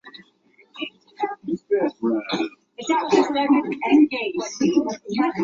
巴盟乌北林场是中国内蒙古自治区巴彦淖尔市乌拉特中旗下辖的一个类似乡级单位。